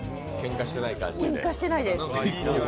けんかしてないです。